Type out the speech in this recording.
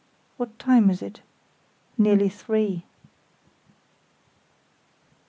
"What time is it?" "Nearly three."